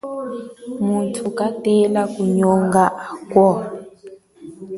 Mutu katela kunyongena ako.